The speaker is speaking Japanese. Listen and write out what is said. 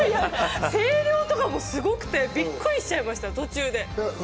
声量とかもすごくて、びっくりしちゃいました、途中で。